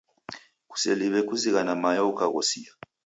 Kuseliw'e kuzighana mayo ukaghosia.